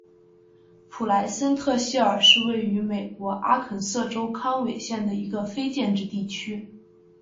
普莱森特希尔是位于美国阿肯色州康韦县的一个非建制地区。